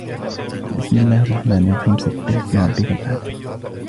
بِسْمِ اللَّهِ الرَّحْمَنِ الرَّحِيمِ سَبِّحِ اسْمَ رَبِّكَ الْأَعْلَى